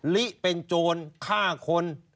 ลิเป็นโจรฆ่าคน